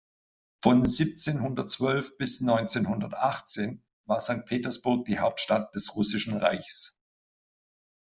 Von siebzehnhundertzwölf bis neunzehnhundertachtzehn war Sankt Petersburg die Hauptstadt des Russischen Reichs.